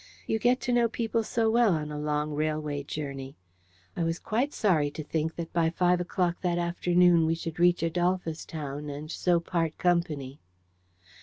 You get to know people so well on a long railway journey. I was quite sorry to think that by five o'clock that afternoon we should reach Adolphus Town, and so part company.